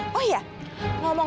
aku heran kamu gitu pan